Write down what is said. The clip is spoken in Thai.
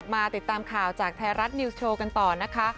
มาติดตามข่าวจากไทยรัฐนิวส์โชว์กันต่อนะคะ